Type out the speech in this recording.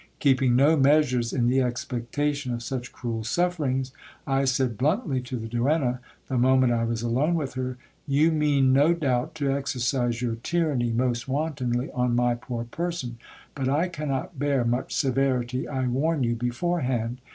Keeping no measures in the expectation of such cruel sufferings, I said bluntly to the duenna, the moment I was alone with her : You mean, no doubt, to exercise your tyranny most wantonly on my poor person ; but I cannot bear much severity, I warn you before hand.